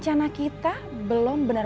pantes aja kak fanny